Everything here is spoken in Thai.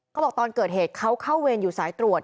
บอกตอนเกิดเหตุเขาเข้าเวรอยู่สายตรวจ